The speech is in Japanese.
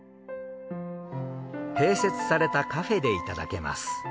併設されたカフェでいただけます。